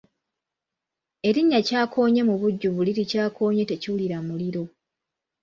Erinnya Kyakoonye mubujjuvu liri Kyakonye tekiwulira muliro.